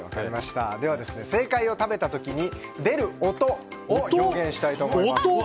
では正解を食べた時に出る音を表現したいと思います。